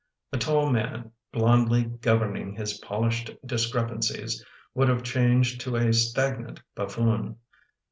A tall man, blondly governing his polished discrepancies, would have changed to a stagnant buffoon.